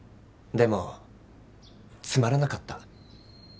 でもつまらなかった。